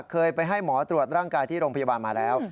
เคยไปให้หมอตรวจร่างกายที่โรงพยาบาลมาแล้ว